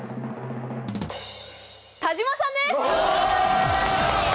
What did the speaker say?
田島さんです！